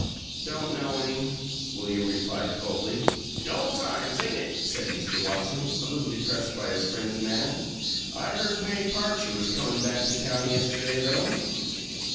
"Don't know any," William replied, coldly. "Dull times, ain't it?" said Mr. Watson, a little depressed by his friend's manner. "I heard May Parcher was comin' back to town yesterday, though."